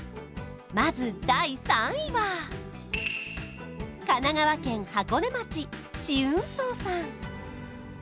まず第３位は神奈川県箱根町紫雲荘さん